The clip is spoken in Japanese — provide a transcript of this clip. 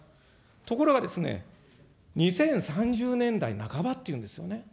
ところが、２０３０年代半ばっていうんですよね。